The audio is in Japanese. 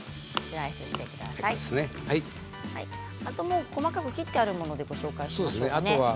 あとは細かく切ってあるものでご紹介しますね。